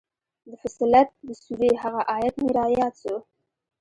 د فصلت د سورې هغه ايت مې راياد سو.